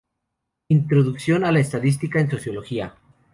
Introducción a la estadística en sociología".